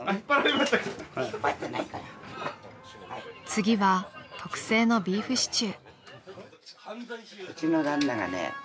［次は特製のビーフシチュー］